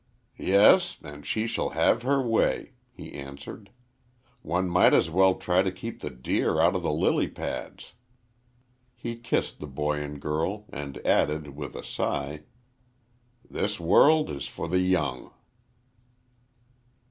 . "Yes, and she shall have her way," he answered. "One might as well try to keep the deer out of the lily pads." He kissed the boy and girl, and added, with a sigh, "This world is for the young."